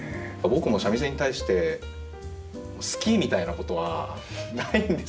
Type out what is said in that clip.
僕も三味線に対して「好き」みたいなことはないんですけど。